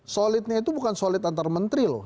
solidnya itu bukan solid antar menteri loh